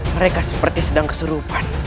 mereka seperti sedang kesurupan